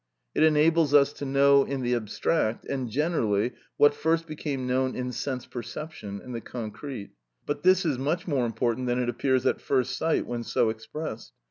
It enables us to know in the abstract and generally, what first became known in sense perception, in the concrete. But this is much more important than it appears at first sight when so expressed.